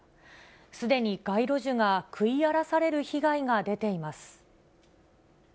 すでに街路樹が食い荒らされる被害が出ています。